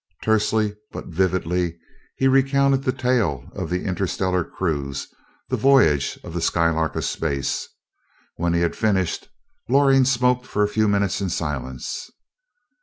Tersely, but vividly, he recounted the tale of the interstellar cruise, the voyage of the Skylark of Space. When he had finished, Loring smoked for a few minutes in silence.